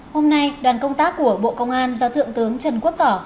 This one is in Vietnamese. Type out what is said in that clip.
hôm nay đoàn công tác của bộ công an do thượng tướng trần quốc tỏ